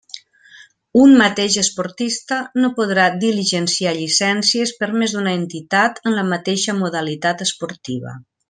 Un mateix esportista no podrà diligenciar llicències per més d'una entitat en la mateixa modalitat esportiva.